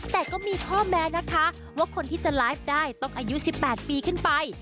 แต่ก็มีข้อแม้นะคะว่าคนที่จะไลฟ์ได้ต้องอายุ๑๘ปีขึ้นไป